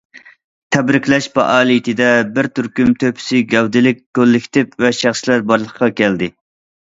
تەبرىكلەش پائالىيىتىدە بىر تۈركۈم تۆھپىسى گەۋدىلىك كوللېكتىپ ۋە شەخسلەر بارلىققا كەلدى.